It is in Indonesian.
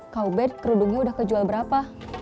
kak ubed kerudungnya udah kejual berapa